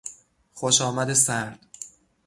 خوشامد سرد